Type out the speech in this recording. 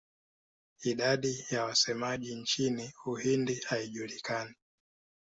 Idadi ya wasemaji nchini Uhindi haijulikani.